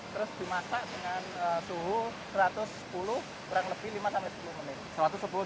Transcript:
terus dimasak dengan suhu satu ratus sepuluh kurang lebih lima sampai sepuluh menit